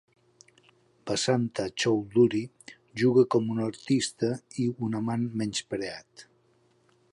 Basanta Chowdhury juga com un artista i un amant-menyspreat.